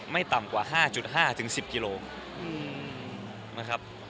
ไม่ต่ำกว่า๕๕๑๐กิโลนะครับ